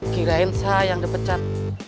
gila saya yang dipecat